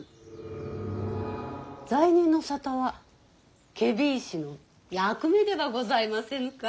罪人の沙汰は検非違使の役目ではございませぬか。